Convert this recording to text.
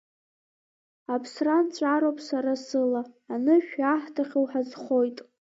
Аԥсра нҵәароуп сара сыла, анышә иаҳҭахьоу ҳазхоит.